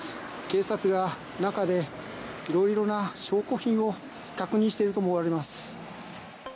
警察が中で色々な証拠品を確認していると思われます。